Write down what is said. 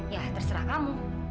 ya terserah kamu